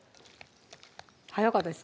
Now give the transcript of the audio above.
早かったです